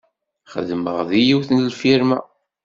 Xedmeɣ deg yiwet n lfirma.